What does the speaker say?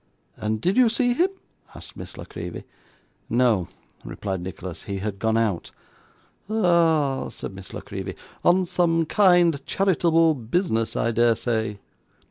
'And did you see him?' asked Miss La Creevy. 'No,' replied Nicholas. 'He had gone out.' 'Hah!' said Miss La Creevy; 'on some kind, charitable business, I dare say.